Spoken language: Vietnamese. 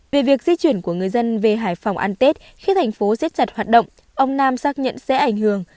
về việc di chuyển của người dân về hải phòng ăn tết khi thành phố xếp chặt hoạt động ông nam xác nhận sẽ ảnh hưởng